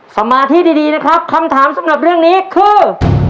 สมาธิดีนะครับคำถามสำหรับเรื่องนี้คือ